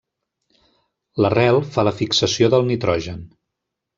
L'arrel fa la fixació del nitrogen.